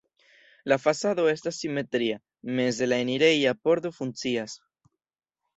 La fasado estas simetria, meze la enireja pordo funkcias.